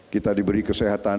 kita diberi kesehatan